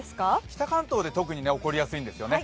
北関東で特に起こりやすいんですよね。